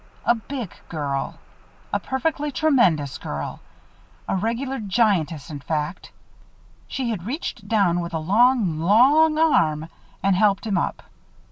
A big girl. A perfectly tremendous girl. A regular giantess, in fact. She had reached down with a long, long arm, and helped him up.